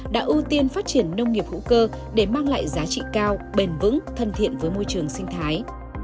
đã ưu tiên phát triển nông nghiệp hữu cơ để mang lại giá trị cao bền vững thân thiện với môi trường sinh thái